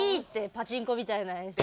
パチンコみたいな演出。